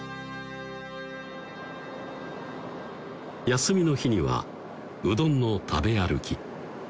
休みの日にはうどんの食べ歩き